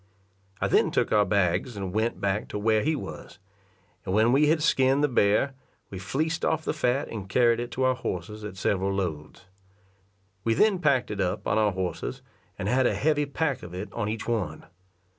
I then took our bags, and went back to where he was; and when we had skin'd the bear, we fleeced off the fat and carried it to our horses at several loads. We then packed it up on our horses, and had a heavy pack of it on each one.